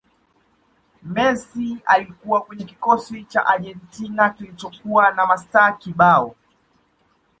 messi alikuwa kwenye kikosi cha argentina kilichokuwa na mastaa kibao